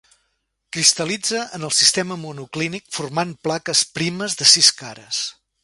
Cristal·litza en el sistema monoclínic formant plaques primes de sis cares.